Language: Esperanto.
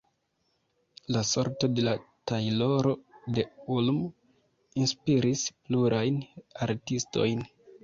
La sorto de la "tajloro de Ulm" inspiris plurajn artistojn.